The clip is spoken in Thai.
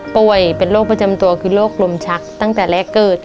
ป่วยเป็นโรคประจำตัวคือโรคลมชักตั้งแต่แรกเกิด